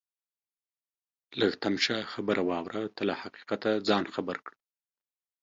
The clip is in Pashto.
لږ تم شه خبره واوره ته له حقیقته ځان خبر کړه